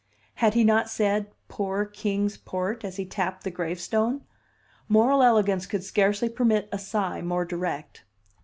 Had he not said, "Poor Kings Port!" as he tapped the gravestone? Moral elegance could scarcely permit a sigh more direct.